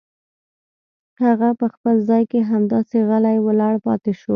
هغه په خپل ځای کې همداسې غلې ولاړه پاتې شوه.